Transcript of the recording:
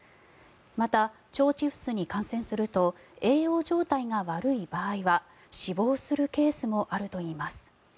また、腸チフスに感染すると栄養状態が悪い場合は死亡するケースもあるといいます。